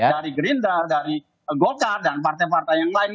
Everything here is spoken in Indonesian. dari gerindra dari golkar dan partai partai yang lain